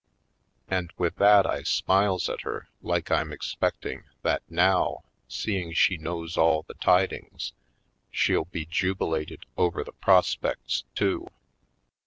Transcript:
And with that I smiles at her like I'm expecting that now, seeing she knows all the tidings, she'll be jubilated over the prospects, too.